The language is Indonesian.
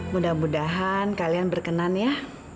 mudah mudahan kalian berkenan ya